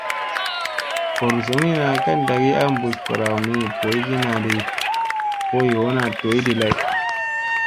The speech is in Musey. Goor zogina ka ɗagi a bus baraw mi boyginadi, vo yoona doydi lay.